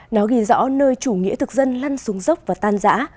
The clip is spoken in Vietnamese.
nó ghi rõ nơi chủ nghĩa thực dân lăn xuống dốc và tan giã